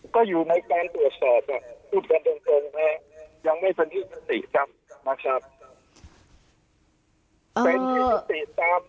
ก็อยู่ในการตรวจสอบอ่ะพูดกันตรงแม้ยังไม่เป็นที่ติดจำนะครับ